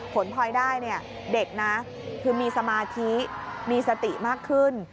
ผลพลอยได้เด็กคือมีสมาธิมีสติมากขึ้น